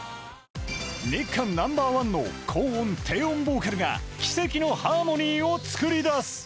日韓ナンバーワンの高音・低音ボーカルが奇跡のハーモニーを作り出す。